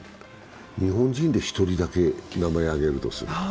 日本人で一人だけ名前を挙げるとすると？